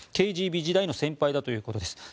ＫＧＢ時代の先輩だということです。